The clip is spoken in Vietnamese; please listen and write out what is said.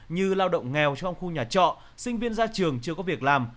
như lao động nghèo trong khu nhà trọ sinh viên ra trường chưa có việc làm